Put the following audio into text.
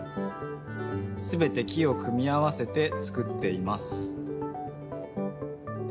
すべて木を組み合わせてつくっています。